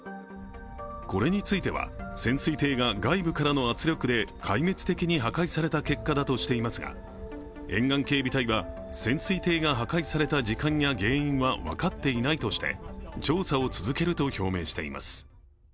これについては潜水艇が外部からの圧力で壊滅的に破壊された結果だとしていますが、沿岸警備隊は、潜水艇が破壊された時間や原因は分かっていないとして調査を続けると表明しています。